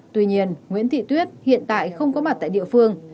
tuy nhiên nguyễn thị tuyết hiện tại không có mặt tại địa phương